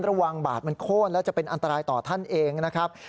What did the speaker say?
บาทมันโค้นแล้วจะเป็นอันตรายต่อท่านเองนะครับ